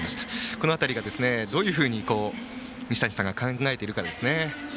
この辺りがどういうふうに西谷さんが考えているかですね。